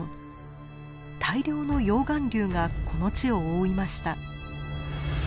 大量の溶岩流がこの地を覆いました。